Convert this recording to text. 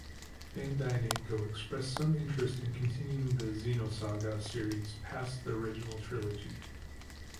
Bandai Namco expressed some interest in continuing the "Xenosaga" series past the original trilogy.